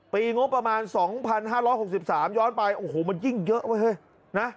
ปีงบประมาณ๒๕๖๓ย้อนไปโอ้โหมันยิ่งเยอะเว้ยนะ